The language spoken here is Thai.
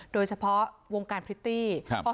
โดยเฉพาะวงการพริตตี้